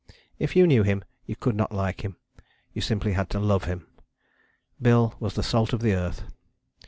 If you knew him you could not like him: you simply had to love him. Bill was of the salt of the earth.